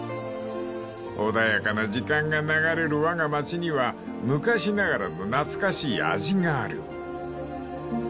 ［穏やかな時間が流れるわが町には昔ながらの懐かしい味がある］